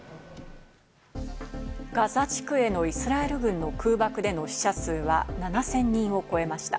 ガザ地区へのイスラエル軍の空爆での死者数は７０００人を超えました。